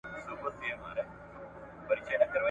چي پردۍ فتوا وي هېره محتسب وي تښتېدلی ,